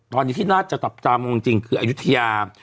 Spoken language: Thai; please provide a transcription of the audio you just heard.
ตอนนี้ที่น่าจะจับตามองจริงคืออายุทยา